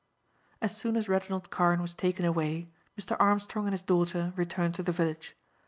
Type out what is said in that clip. As soon as Reginald Carne was taken away, Mr. Armstrong and his daughter returned to the village.